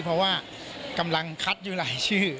เพราะว่ากำลังคัดอยู่หลายชื่อ